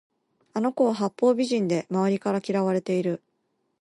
あの子は八方美人で周りから嫌われている